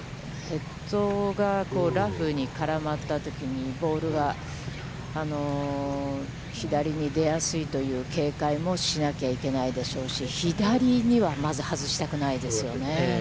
ヘッドがラフに絡んだときに、ボールが、左に出やすいという警戒もしなきゃいけないでしょうし、左には、まず外したくないですよね。